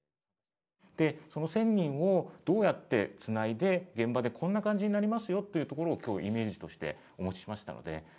その１，０００人をどうやってつないで現場でこんな感じになりますよっていうところを今日イメージとしてお持ちしましたので。